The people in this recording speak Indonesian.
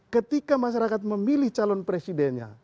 ketika masyarakat memilih calon presidennya